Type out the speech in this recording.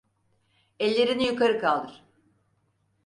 Ellerini yukarı kaldır!